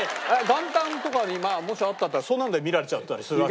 元旦とかにもしあったらそんなので見られちゃったりするわけ？